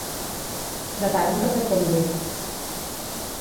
Prepara un cafetó amb llet.